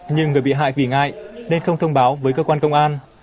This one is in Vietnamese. nhưng người bị hại vì ngại nên không thông báo với cơ quan công an